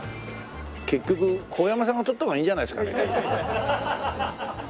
結局神山さんが撮った方がいいんじゃないですかね。